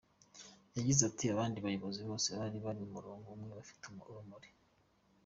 Yagize ati “Abandi bayobozi bose bari bari ku murongo umwe bafite urumuri.